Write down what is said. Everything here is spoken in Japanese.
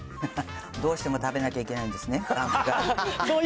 どうしても食べなきゃいけないんですね。